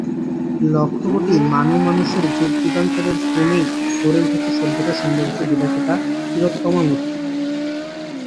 লক্ষ কোটি মানুমানুষের যুগ যুগান্তরের শ্রমেই গড়ে উঠেছে সভ্যতার সৌন্দর্য বিলাসিত তিলোত্তমা মূর্তি।